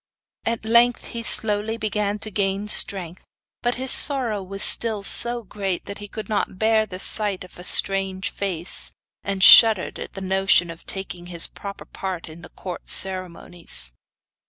At length he slowly began to gain strength, but his sorrow was still so great that he could not bear the sight of a strange face, and shuddered at the notion of taking his proper part in the court ceremonies.